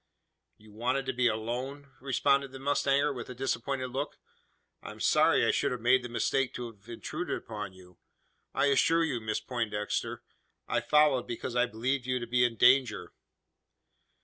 "You wanted to be alone?" responded the mustanger, with a disappointed look. "I am sorry I should have made the mistake to have intruded upon you. I assure you, Miss Poindexter, I followed, because I believed you to be in danger."